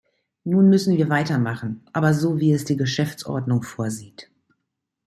Nun müssen wir weitermachen, aber so, wie es die Geschäftsordnung vorsieht.